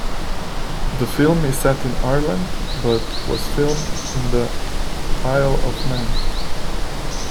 The film is set in Ireland but was filmed in the Isle of Man.